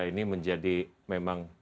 ini menjadi memang